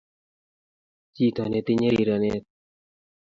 Jito netinye rirenet